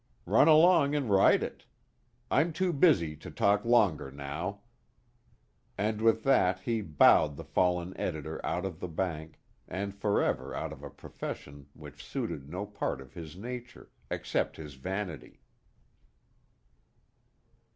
Run along and write it. I'm too busy to talk longer now," and with that he bowed the fallen editor out of the bank, and forever out of a profession which suited no part of his nature, except his vanity.